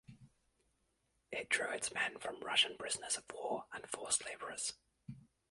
It drew its men from Russian prisoners of war and forced laborers.